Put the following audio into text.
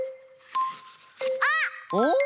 あっ！